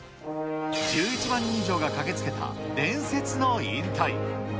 １１万人以上が駆けつけた伝説の引退。